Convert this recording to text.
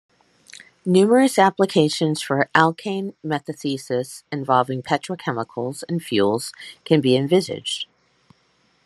Numerous applications for alkane metathesis involving petrochemicals and fuels can be envisaged.